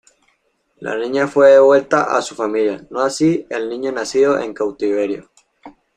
La niña fue devuelta a su familia, no así el niño nacido en cautiverio.